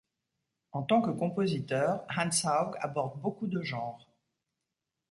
En tant que compositeur, Hans Haug aborde beaucoup de genres.